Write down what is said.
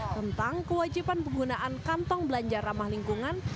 tentang kewajiban penggunaan kantong belanja ramah lingkungan